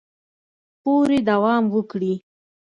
پورې دوام وکړي